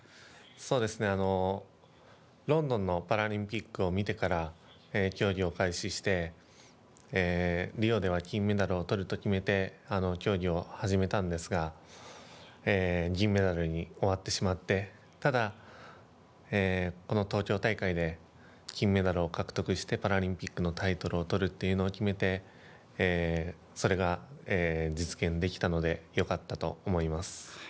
そうですね、ロンドンのパラリンピックを見てから、競技を開始して、リオでは金メダルをとると決めて、競技を始めたんですが、銀メダルに終わってしまって、ただ、この東京大会で、金メダルを獲得してパラリンピックのタイトルを取るというのを決めて、それが実現できたのでよかったと思います。